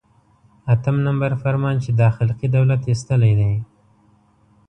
اتم نمبر فرمان چې دا خلقي دولت ایستلی دی.